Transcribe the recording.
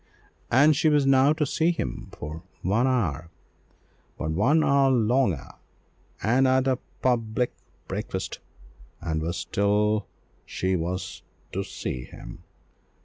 And she was now to see him for one hour, but one hour longer, and at a public breakfast! but still she was to see him.